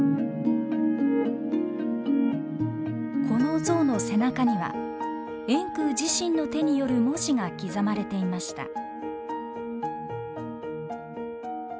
この像の背中には円空自身の手による文字が刻まれていました。